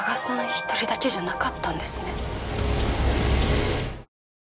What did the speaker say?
一人だけじゃなかったんですね。